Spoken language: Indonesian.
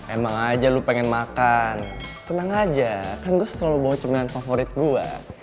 emang aja lu pengen makan tenang aja kan gue selalu bawa cemilan favorit gue